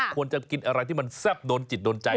กินอะไรที่มันแซ่บโดนจิตโดนใจ